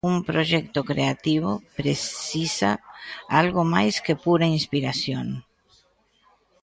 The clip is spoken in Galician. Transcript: Un proxecto creativo precisa algo máis que pura inspiración...